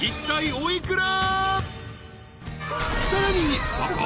お幾ら？］